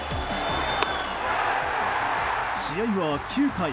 試合は９回。